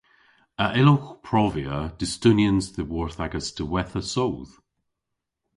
A yllowgh provia dustunians dhyworth agas diwettha soodh?